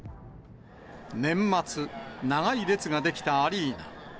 年末、長い列が出来たアリーナ。